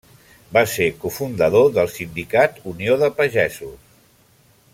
Va ser cofundador del sindicat Unió de Pagesos.